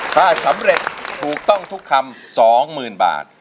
ค่ะสำเร็จถูกต้องทุกคำสองหมื่นบาท